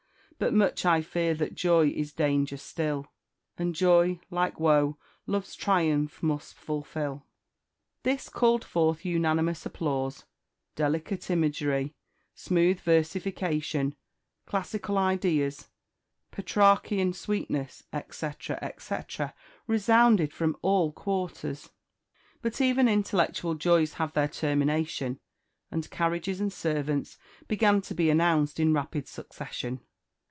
But much I fear that joy is danger still; And joy, like woe, love's triumph must fulfil." This called forth unanimous applause "delicate imagery" "smooth versification" "classical ideas" "Petrarchian sweetness," etc. etc., resounded from all quarters. But even intellectual joys have their termination, and carriages and servants began to be announced in rapid succession.